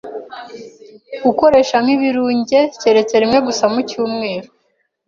gukoresha nk’ibirunge keretse rimwe gusa mu cyumweru